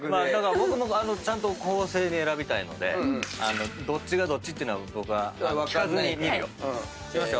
僕もちゃんと公正に選びたいのでどっちがどっちっていうのは僕は聞かずに見るよ。いきますよ。